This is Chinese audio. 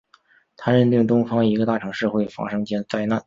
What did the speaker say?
他认定东方一个大城市会发生灾难。